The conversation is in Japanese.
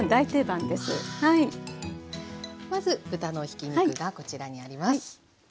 まず豚のひき肉がこちらにあります。